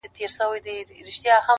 •« خدای دي نه ورکوي خره لره ښکرونه -